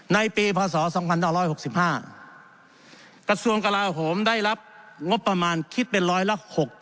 ในปีพศ๒๙๖๕กระทรวงกลาโหมได้รับงบประมาณคิดเป็นร้อยละ๖๐